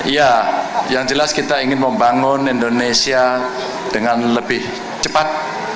ya yang jelas kita ingin membangun indonesia dengan lebih cepat